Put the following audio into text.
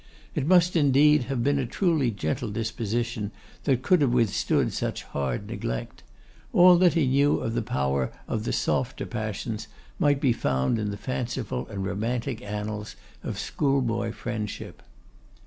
It must indeed have been a truly gentle disposition that could have withstood such hard neglect. All that he knew of the power of the softer passions might be found in the fanciful and romantic annals of schoolboy friendship.